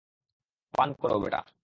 পান কর বেটা।